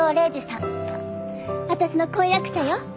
私の婚約者よ。